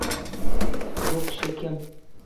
Bu kishi kim?